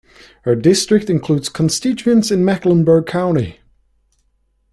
Her district includes constituents in Mecklenburg county.